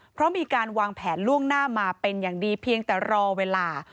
เพราะมีการวางแผนล่วงหน้ามาเป็นอย่างดีเพียงแต่รอเวลา